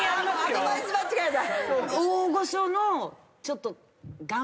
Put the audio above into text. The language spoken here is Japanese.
アドバイス間違いだ。